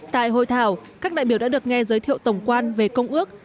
tại hội thảo các đại biểu đã được nghe giới thiệu tổng quan về công ước